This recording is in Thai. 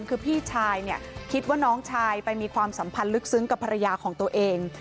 คือพี่ชายเนี่ยคิดว่าน้องชายไปมีความสัมพันธ์ลึกซึ้งกับภรรยาของตัวเอง